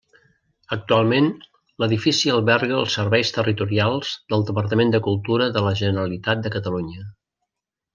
Actualment l'edifici alberga els serveis territorials del Departament de Cultura de la Generalitat de Catalunya.